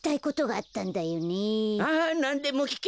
あなんでもきけ！